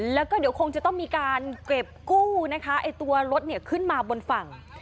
แล้วก็เดี๋ยวคงจะต้องมีการเก็บกู้นะคะไอ้ตัวรถขึ้นมาบนฝั่ง